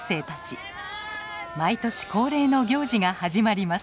毎年恒例の行事が始まります。